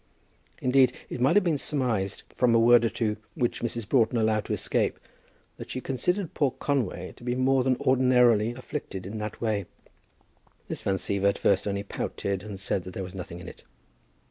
Indeed, it might have been surmised, from a word or two which Mrs. Broughton allowed to escape, that she considered poor Conway to be more than ordinarily afflicted in that way. Miss Van Siever at first only pouted, and said that there was nothing in it.